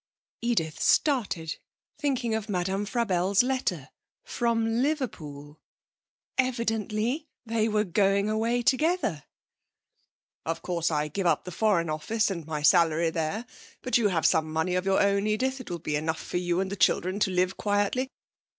Edith started, thinking of Madame Frabelle's letter ... from Liverpool! Evidently they were going away together. 'Of course I give up the Foreign Office and my salary there, but you have some money of your own, Edith; it will be enough for you and the children to live quietly.